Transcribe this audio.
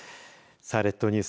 さあ列島ニュース。